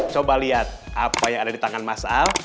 coba lihat apa yang ada di tangan mas al